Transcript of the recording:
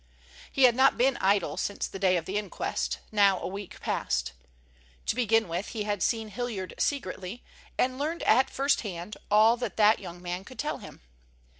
He had not been idle since the day of the inquest, now a week past. To begin with he had seen Hilliard secretly, and learned at first hand all that that young man could tell him.